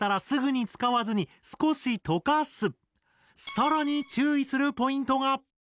更に注意するポイントが！